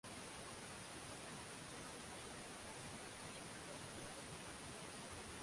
moja mia tisa themanini na nane Kibaki alianza kuwa na mgongano na Rais Moi